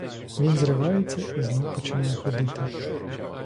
Він зривається і знов починає ходити.